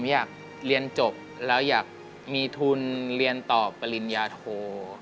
อยากเรียนจบแล้วอยากมีทุนเรียนต่อปริญญาโท